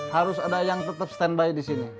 harus ada yang tetep stand by disini